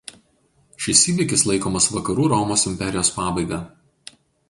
Šis įvykis laikomas Vakarų Romos imperijos pabaiga.